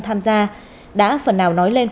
tham gia đã phần nào nói lên